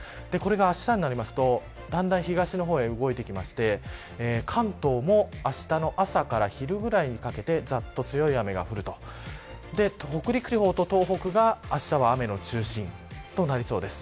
あしたになりますと東の方に動いてきて関東も、あしたの朝から昼ぐらいにかけてちょっと強い雨が降ると北陸地方と東北があしたは雨の中心となりそうです。